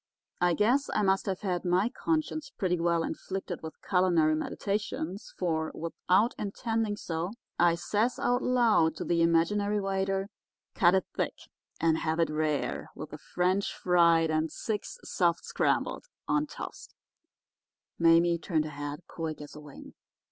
"I guess I must have had my conscience pretty well inflicted with culinary meditations, for, without intending to do so, I says, out loud, to the imaginary waiter, 'Cut it thick and have it rare, with the French fried, and six, soft scrambled, on toast.' "Mame turned her head quick as a wing.